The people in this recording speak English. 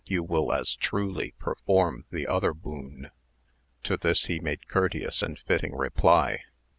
303 you will as truly perform the other boon. To this ho made courteous and fitting reply.